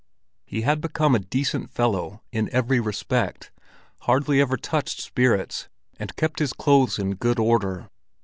He had become a decent fellow in every respect, hardly ever touched spirits, and kept his clothes in good order.